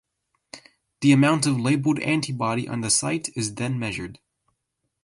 The amount of labelled antibody on the site is then measured.